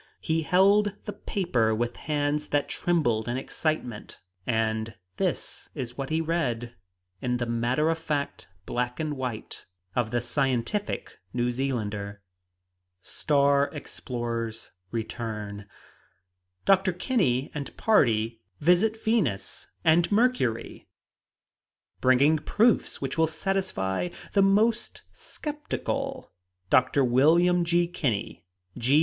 He held the paper with hands that trembled in excitement; and this is what he read, in the matter of fact black and white of The Scientific New Zealander: STAR EXPLORERS RETURN Dr. Kinney and Party Visit Venus and Mercury Bringing proofs which will satisfy the most skeptical, Dr. William G. Kinney, G.